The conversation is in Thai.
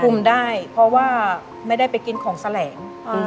คุมได้เพราะว่าไม่ได้ไปกินของแสลง